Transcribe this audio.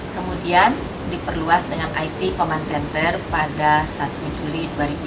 kemudian diperluas dengan it command center pada satu juli dua ribu dua puluh